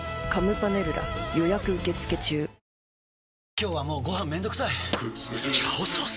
今日はもうご飯めんどくさい「炒ソース」！？